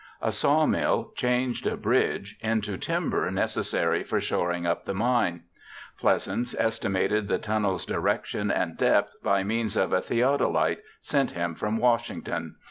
A sawmill changed a bridge into timber necessary for shoring up the mine. Pleasants estimated the tunnel's direction and depth by means of a theodolite sent him from Washington.